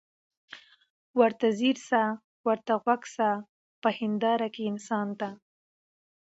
ورته ځیر سه ورته غوږ سه په هینداره کي انسان ته